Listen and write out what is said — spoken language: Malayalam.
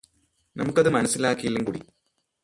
നമുക്കത് മനസ്സിലായില്ലെങ്കില് കൂടി